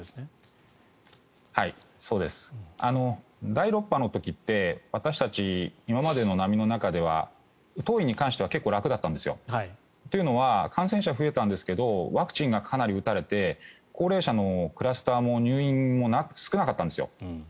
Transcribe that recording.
第６波の時って私たち、今までの波の中では当院に関しては結構、楽だったんですよ。というのは感染者が増えたんですがワクチンがかなり打たれて高齢者のクラスターも入院も少なかったんですよ。